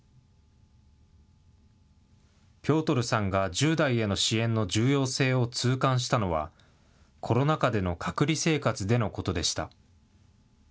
ピョートルさんが、１０代への支援の重要性を痛感したのは、コロナ禍での隔離生活でのことでした。